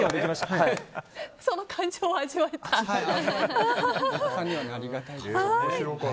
その感じも味わえたと。